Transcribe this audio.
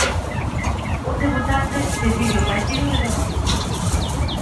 Un debutante decide o partido de Donosti.